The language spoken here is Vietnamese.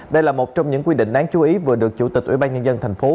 đây là một trong những quy định đáng chú ý vừa được chủ tịch ủy ban nhân dân thành phố